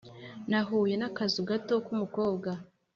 nahuye n'akazu gato k'umukobwa: